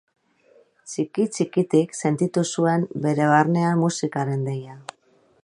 Txiki-txikitik sentitu zuen bere barnean musikaren deia.